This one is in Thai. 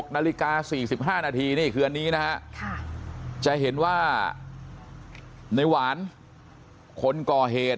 นาฬิกา๔๕นาทีนี่คืออันนี้นะฮะจะเห็นว่าในหวานคนก่อเหตุ